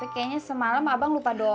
kayyy nya semalam kamu menurut bu ades otis